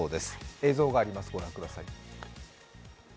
映像があります、ご覧ください。